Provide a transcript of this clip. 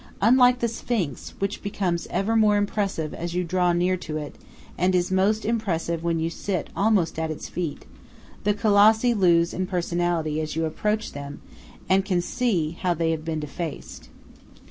Unlike the Sphinx, which becomes ever more impressive as you draw near to it, and is most impressive when you sit almost at its feet, the Colossi lose in personality as you approach them and can see how they have been defaced.